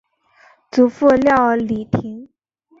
祖父廖礼庭。